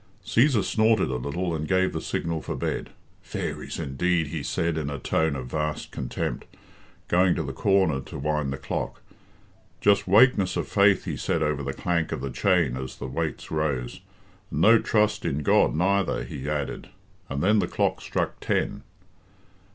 Cæsar snorted a little, and gave the signal for bed. "Fairies indeed!" he said, in a tone of vast contempt, going to the corner to wind the clock. "Just wakeness of faith," he said over the clank of the chain as the weights rose; "and no trust in God neither," he added, and then the clock struck ten.